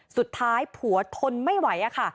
สุดท้ายผัวทนไม่ไหวค่ะ